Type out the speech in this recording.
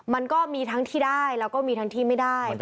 มันก็มีทั้งที่ได้แล้วก็มีทั้งที่ไม่ได้